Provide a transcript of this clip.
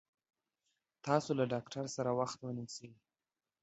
تاسو له ډاکټر سره وخت ونيسي